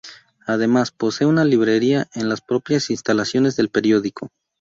Además, posee una librería en las propias instalaciones del periódico.